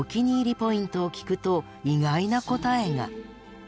ポイントを聞くと意外な答えが。